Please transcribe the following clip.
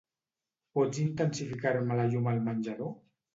Pots intensificar-me la llum al menjador?